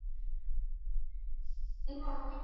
圣昂德雷德博翁。